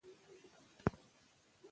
که دستمال وي نو لاس نه لمدیږي.